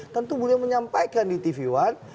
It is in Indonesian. tentu beliau menyampaikan di tv one